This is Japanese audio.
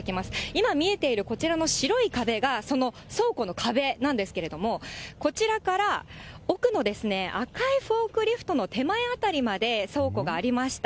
今、見えているこちらの白い壁が、その倉庫の壁なんですけれども、こちらから、奥の赤いフォークリフトの手前辺りまで倉庫がありました。